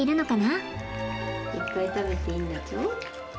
いっぱい食べていいんだぞ。